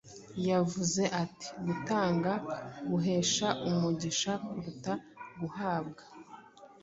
yavuze ati: ‘Gutanga guhesha umugisha kuruta guhabwa.’